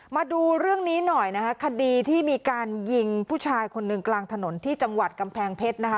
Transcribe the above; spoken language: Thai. มาดูเรื่องนี้หน่อยนะคะคดีที่มีการยิงผู้ชายคนหนึ่งกลางถนนที่จังหวัดกำแพงเพชรนะคะ